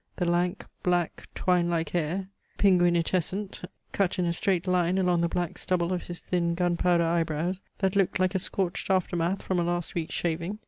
The lank, black, twine like hair, pingui nitescent, cut in a straight line along the black stubble of his thin gunpowder eye brows, that looked like a scorched after math from a last week's shaving.